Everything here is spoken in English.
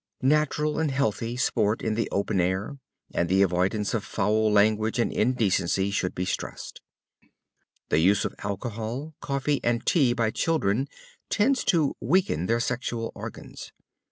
Natural and healthy sport in the open air, and the avoidance of foul language and indecency should be stressed. The use of alcohol, coffee and tea by children tends to weaken their sexual organs.